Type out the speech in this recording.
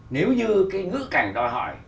nếu như cái ngữ cảnh đòi hỏi